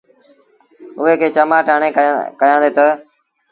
اُئي کي چمآٽ هڻي ڪهيآندي تا